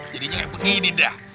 jadinya kayak begini dah